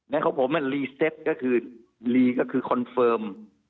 แล้วเขาบอกว่ามันรีเซ็ตก็คือรีก็คือคอนเฟิร์ม